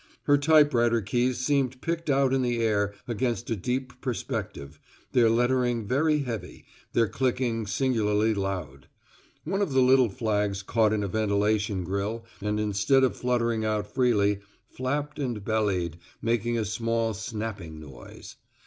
Her typewriter keys seemed picked out in the air against a deep perspective, their lettering very heavy, their clicking singularly loud. One of the little flags caught in a ventilation grill, and instead of fluttering out freely, flapped and bellied, making a small snapping noise.